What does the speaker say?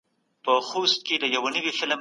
تعليم د ښه ژوند اساس دی.